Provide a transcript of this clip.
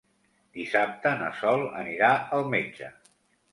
Dissabte na Sol anirà al metge.